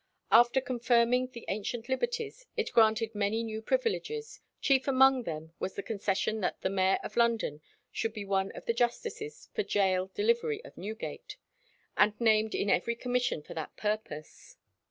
After confirming the ancient liberties, it granted many new privileges; chief among them was the concession that the mayor of London should be one of the justices for gaol delivery of Newgate, and named in every commission for that purpose.